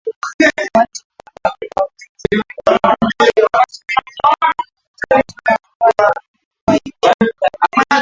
kuacha mpango wake wa nyuklia baada ya taarifa kuwa nchi hiyo